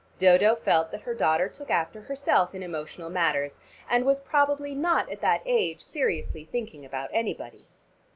Dodo felt that her daughter took after herself in emotional matters and was probably not at that age seriously thinking about anybody.